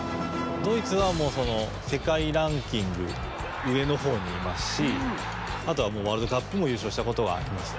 ドイツはもうそのせかいランキングうえのほうにいますしあとはもうワールドカップもゆうしょうしたことがあります。